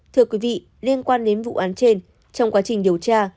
thưa quý vị liên quan đến vụ án trên trong quá trình điều tra